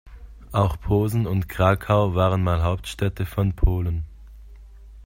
Auch Posen und Krakau waren mal Hauptstädte von Polen.